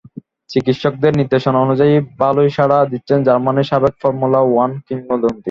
চিকিৎসকদের নির্দেশনা অনুযায়ী ভালোই সাড়া দিচ্ছেন জার্মানির সাবেক ফর্মুলা ওয়ান কিংবদন্তি।